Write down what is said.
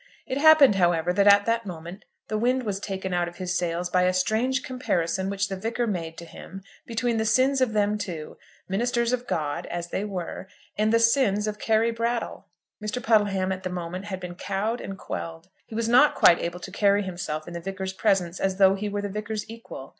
It happened, however, that at that moment the wind was taken out of his sails by a strange comparison which the Vicar made to him between the sins of them two, ministers of God as they were, and the sins of Carry Brattle. Mr. Puddleham at the moment had been cowed and quelled. He was not quite able to carry himself in the Vicar's presence as though he were the Vicar's equal.